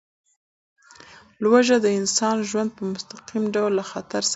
لوږه د انسان ژوند په مستقیم ډول له خطر سره مخ کوي.